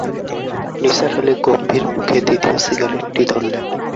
নিসার আলি গম্ভীর মুখে দ্বিতীয় সিগারেটটি ধরলেন।